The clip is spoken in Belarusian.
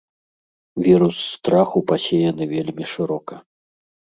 Вірус страху пасеяны вельмі шырока.